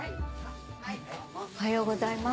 おはようございます。